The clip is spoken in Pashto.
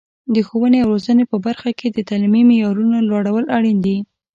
د ښوونې او روزنې په برخه کې د تعلیمي معیارونو لوړول اړین دي.